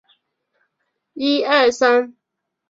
埃韦特萨勒贝尔人口变化图示